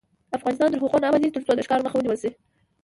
افغانستان تر هغو نه ابادیږي، ترڅو د ښکار مخه ونیول نشي.